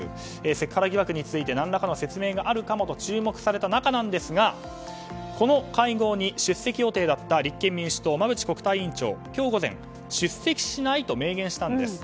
セクハラ疑惑について何らかの説明があるかもと注目された中ですがこの会合に出席予定だった立憲民主党の馬淵国対委員長は今日午前出席しないと明言したんです。